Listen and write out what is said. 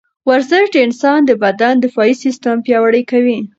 ورزش د انسان د بدن دفاعي سیستم پیاوړی کوي.